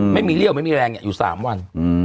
ไม่มีเรี่ยวไม่มีแรงอยู่๓วัน